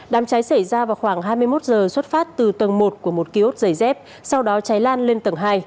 đám cháy xảy ra vào khoảng hai mươi một giờ xuất phát từ tầng một của một kiosk giày dép sau đó cháy lan lên tầng hai